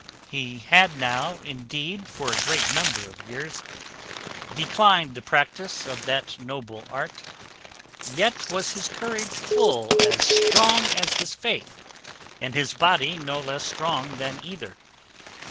He had now indeed, for a great number of years, declined the practice of that noble art; yet was his courage full as strong as his faith, and his body no less strong than either.